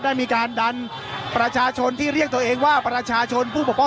ได้มีการดันประชาชนที่เรียกตัวเองว่าประชาชนผู้ปกป้อง